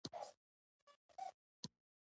افغانستان زما ارمان دی؟